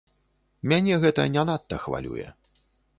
Мяне гэта не надта хвалюе.